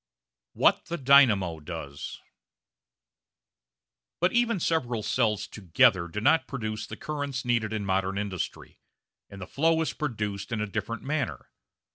What the Dynamo does But even several cells together do not produce the currents needed in modern industry, and the flow is produced in a different manner.